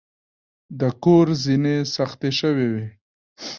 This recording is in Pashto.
د کور زینې سختې شوې وې.